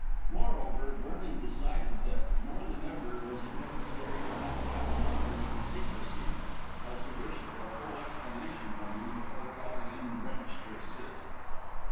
Moreover, Vernon decided that more than ever was it necessary to hunt down Maunders in secrecy, as he wished for a full explanation from him before calling in Drench to assist.